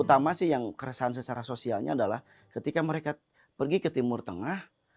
utama sih yang keresahan secara sosialnya adalah ketika mereka pergi ke timur tengah